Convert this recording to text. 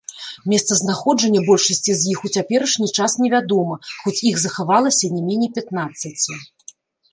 Месцазнаходжанне большасці з іх у цяперашні час невядома, хоць іх захавалася не меней пятнаццаці.